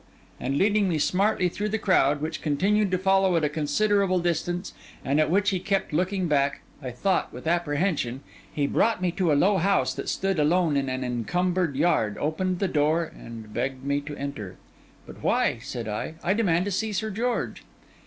And leading me smartly through the crowd, which continued to follow at a considerable distance, and at which he still kept looking back, I thought, with apprehension, he brought me to a low house that stood alone in an encumbered yard, opened the door, and begged me to enter. 'But why?' said I. 'I demand to see Sir George.